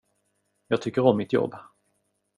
Jag tycker om mitt jobb.